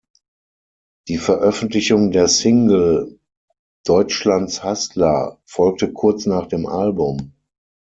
Die Veröffentlichung der Single "Deutschlands Hustler" folgte kurz nach dem Album.